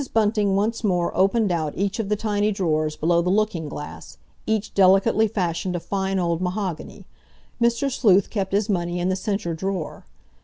Bunting once more opened out each of the tiny drawers below the looking glass, each delicately fashioned of fine old mahogany. Mr. Sleuth kept his money in the centre drawer.